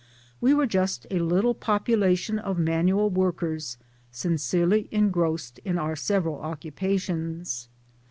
.We were just a little population of manual workers, sincerely engrossed in our several occupations.